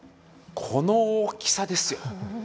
この大きさですよ。